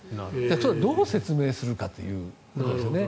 それをどう説明するかということですよね。